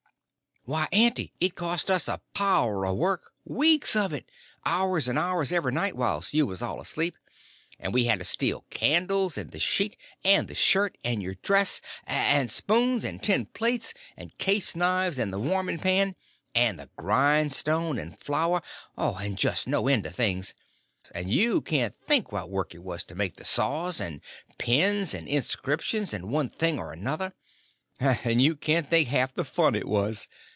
"Why, Aunty, it cost us a power of work—weeks of it—hours and hours, every night, whilst you was all asleep. And we had to steal candles, and the sheet, and the shirt, and your dress, and spoons, and tin plates, and case knives, and the warming pan, and the grindstone, and flour, and just no end of things, and you can't think what work it was to make the saws, and pens, and inscriptions, and one thing or another, and you can't think half the fun it was.